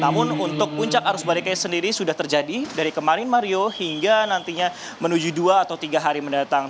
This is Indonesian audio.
namun untuk puncak arus baliknya sendiri sudah terjadi dari kemarin mario hingga nantinya menuju dua atau tiga hari mendatang